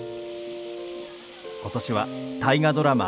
今年は、大河ドラマ